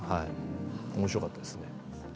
おもしろかったです。